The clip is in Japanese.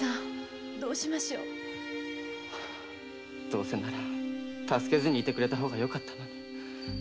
どうせなら助けずにいてくれた方がよかったのに。